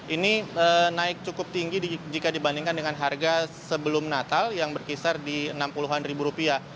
ini naik cukup tinggi jika dibandingkan dengan harga sebelum natal yang berkisar di enam puluh an ribu rupiah